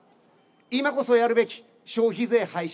今こそやるべき消費税廃止。